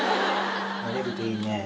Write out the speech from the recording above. なれるといいね。